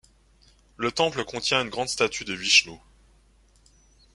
Le temple contient une grande statue de Vishnou.